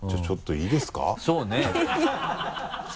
いいんですか？